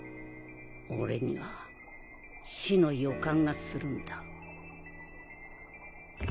俺には死の予感がするんだ。